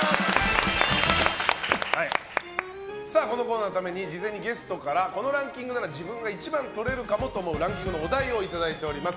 このコーナーのために事前にゲストからこのランキングなら自分が一番をとれるかもというランキングのお題をいただいております。